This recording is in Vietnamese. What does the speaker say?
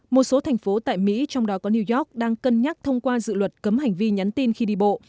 một số thành phố tại mỹ trong đó có new york đang cân nhắc thông qua dự luật cấm hành vi nhắn tin khi đi bộ